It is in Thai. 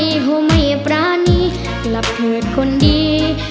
เพราะไม่ประณีกลับเถิดคนดี